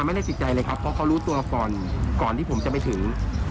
ไม่ได้ติดใจเลยครับเพราะเขารู้ตัวก่อนก่อนที่ผมจะไปถึง